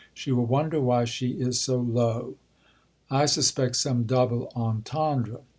She will wonder why she is so low." I suspect some double entendre.